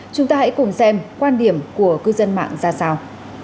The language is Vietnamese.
chúng ta hãy cùng xem quan điểm của cư dân mạng ra sao